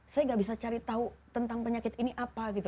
saya gak bisa cari tahu tentang penyakit ini apa gitu